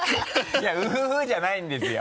いやウフフじゃないんですよ。